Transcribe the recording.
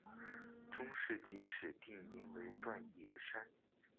中世纪此地名为锻冶山。